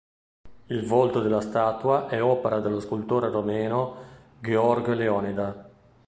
Il volto della statua è opera dello scultore romeno Gheorghe Leonida.